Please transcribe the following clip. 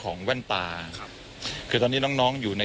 คุณทัศนาควดทองเลยค่ะ